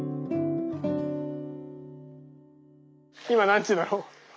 今何時だろう？